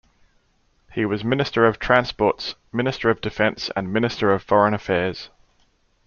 He was Minister of Transports, Minister of Defense and Minister of Foreign Affairs.